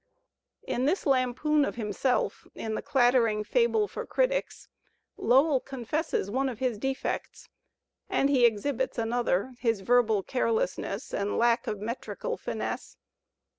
In this lampoon of himself in the clattering ''Fable for Critics," Lowell confesses one of his defects, and he exhibits another — his verbal carelessness and lack of metrical ^ finesse.